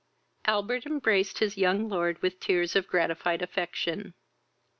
Albert embraced his young lord with tears of gratified affection.